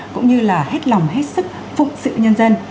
cũng như là hết lòng hết sức phụng sự nhân dân